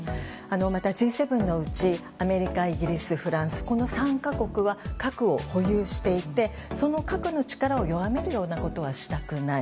また、Ｇ７のうちアメリカ、イギリス、フランスこの３か国は核を保有していてその核の力を弱めるようなことはしたくない。